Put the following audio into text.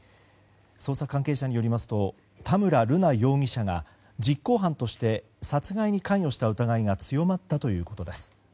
捜査関係者によりますと田村瑠奈容疑者が実行犯として殺害に関与した疑いが強まったということです。